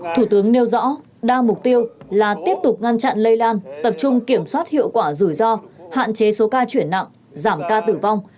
thủ tướng nêu rõ đa mục tiêu là tiếp tục ngăn chặn lây lan tập trung kiểm soát hiệu quả rủi ro hạn chế số ca chuyển nặng giảm ca tử vong